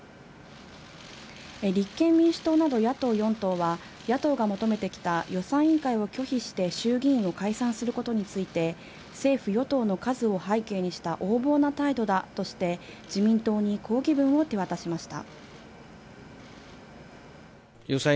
立憲民主党など野党４党は野党が求めてきた予算委員会を拒否して衆議院を解散することについて、政府・与党の数を背景にした横暴な態度だとして、自民党に抗議文を手渡しました。